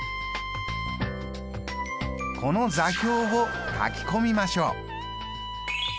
この座標をかき込みましょう。